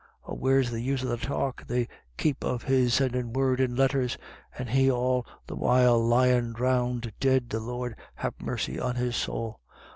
Or where's the use of the talk they keep of his sendin' word in letters, and he all the while lyin' dhrownded dead — the Lord have mercy on his sowl."